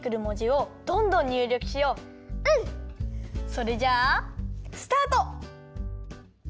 それじゃあスタート！